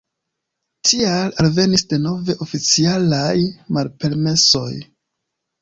Tial alvenis denove oficialaj malpermesoj.